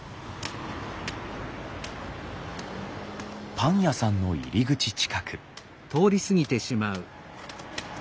パン屋さんの入り口近く。